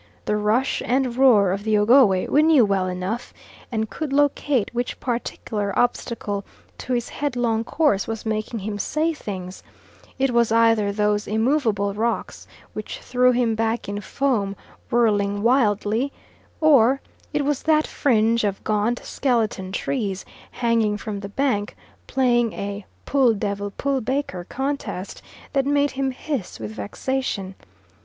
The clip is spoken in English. The rush and roar of the Ogowe we knew well enough, and could locate which particular obstacle to his headlong course was making him say things; it was either those immovable rocks, which threw him back in foam, whirling wildly, or it was that fringe of gaunt skeleton trees hanging from the bank playing a "pull devil, pull baker" contest that made him hiss with vexation.